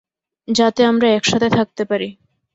যাতে আমরা একসাথে থাকতে পারি।